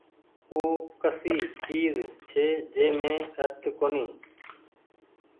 او ڪسي چئيز ڇي جي مين رت ڪونيٚ ۔